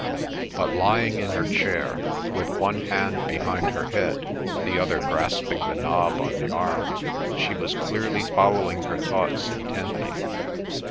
But lying in her chair, with one hand behind her head, the other grasping the knob on the arm, she was clearly following her thoughts intently.